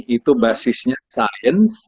itu basisnya science